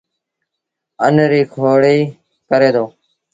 اَن ريٚ کوڙيٚ ڪري دو